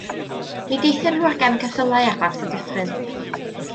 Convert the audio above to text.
Mi deithion nhw ar gefn ceffylau ar draws y dyffryn.